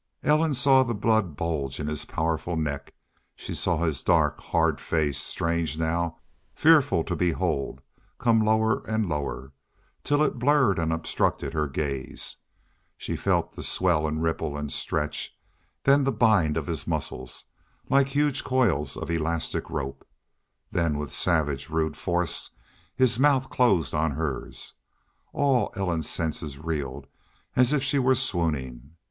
Ellen saw the blood bulge in his powerful neck. She saw his dark, hard face, strange now, fearful to behold, come lower and lower, till it blurred and obstructed her gaze. She felt the swell and ripple and stretch then the bind of his muscles, like huge coils of elastic rope. Then with savage rude force his mouth closed on hers. All Ellen's senses reeled, as if she were swooning.